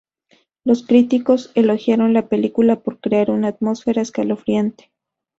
Los críticos elogiaron la película por crear una atmósfera escalofriante.